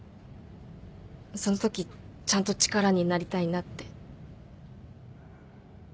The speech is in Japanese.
そのときちゃんと力になりたいなって